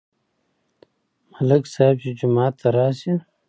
ملک صاحب چې جومات ته راشي.